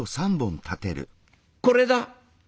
これだ」。